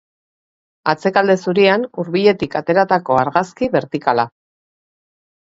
Atzekalde zurian, hurbiletik ateratako argazki bertikala.